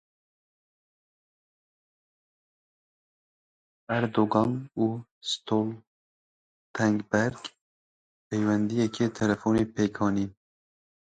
Erdogan û Stoltenberg peywendiyeke telefonî pêk anîn.